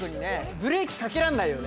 ブレーキかけらんないよね。